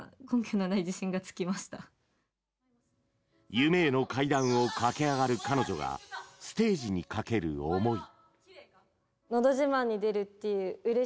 夢への階段を駆け上がる彼女がステージにかける思い。